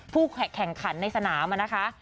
แข่งขันในสนามนะคะ